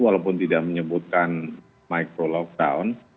walaupun tidak menyebutkan micro lockdown